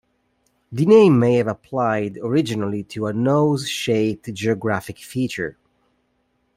The name may have applied originally to a nose-shaped geographic feature.